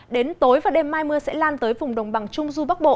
đến tối và đêm mai mưa sẽ lan tới vùng đồng bằng trung du bắc bộ